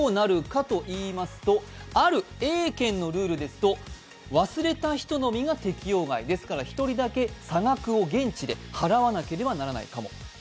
こういうとき、どうなるかといいますと、あるＡ県のルールですと、忘れた人のみが適用外、１人だけ差額を現地で払わなければならない。